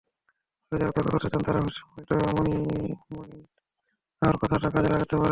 তবে যাঁরা তর্ক করতে চান, তাঁরা হোসে মরিনহোর কথাটা কাজে লাগাতে পারেন।